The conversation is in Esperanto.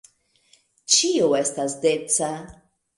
Ĉio estas deca.